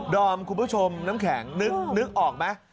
อมคุณผู้ชมน้ำแข็งนึกออกไหม